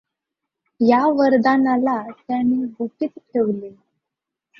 ह्या वरदानाला त्याने गुपित ठेवले.